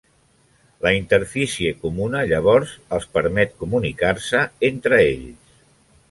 La interfície comuna llavors els permet comunicar-se entre ells.